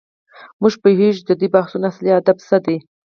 موږ نه پوهیږو چې د دې بحثونو اصلي هدف څه دی.